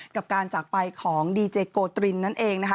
กับการจากไปของดีเจโกตรินนั่นเองนะคะ